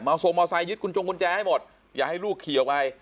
มาสวมมอเซอร์ไซส์ยึดกุญจงกุญแจให้หมดอย่าให้ลูกขี่ออกไป